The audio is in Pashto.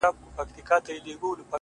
o د دې لپاره چي ډېوه به یې راځي کلي ته؛